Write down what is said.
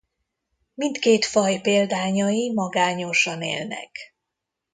Mindkét faj példányai magányosan élnek.